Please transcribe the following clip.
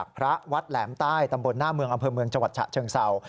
พระวัดแหลมใต้ตำบลหน้าเมืองอำเภอเมืองจังหวัดฉะเชิงเศร้า